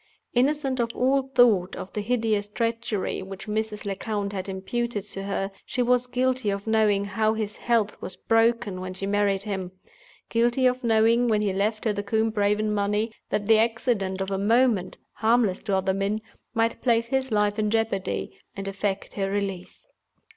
Innocent of all thought of the hideous treachery which Mrs. Lecount had imputed to her—she was guilty of knowing how his health was broken when she married him; guilty of knowing, when he left her the Combe Raven money, that the accident of a moment, harmless to other men, might place his life in jeopardy, and effect her release.